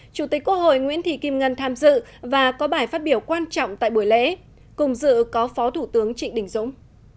chủ tịch quốc hội nguyễn thị kim ngân tham dự và có bài phát biểu quan trọng tại buổi lễ cùng dự có phó thủ tướng trịnh đình dũng